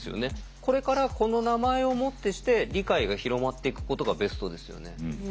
これからこの名前をもってして理解が広まっていくことがベストですよね。